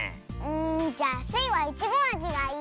んじゃあスイはイチゴあじがいい！